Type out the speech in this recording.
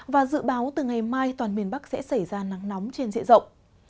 và dự báo từ ngày mai toàn miền bắc sẽ xảy ra nắng nóng trên diện rộng